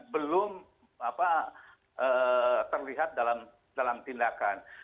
belum terlihat dalam tindakan